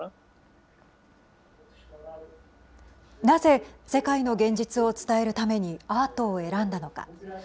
なぜ、世界の現実を伝えるために、アートを選んだのか。